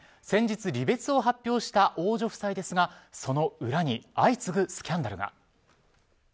先日、離別を発表した王女夫妻ですが、その裏に相次ぐスキャンダルが。